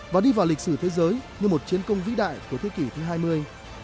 và đi vào lịch sử thế giới như một chiến công vĩ đại của thế kỷ thứ hai mươi